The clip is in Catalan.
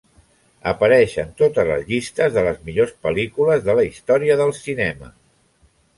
Apareix en totes les llistes de les millors pel·lícules de la història del cinema.